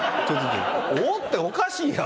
おーっておかしいやろ。